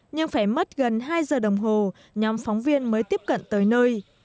nhưng phải mất gần hai giờ đồng hồ nhóm phóng viên mới tiếp cận tới nơi